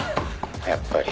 やっぱり。